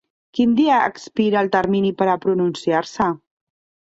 Quin dia expira el termini per a pronunciar-se?